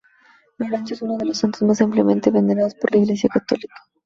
Lorenzo es uno de los santos más ampliamente venerados por la Iglesia católica.